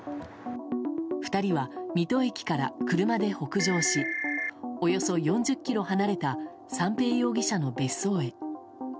２人は水戸駅から車で北上しおよそ４０ｋｍ離れた三瓶容疑者の別荘へ。